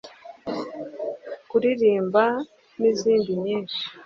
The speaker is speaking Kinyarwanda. kuririmba n’izindi nyinshi